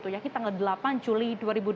yakni tanggal delapan juli dua ribu dua puluh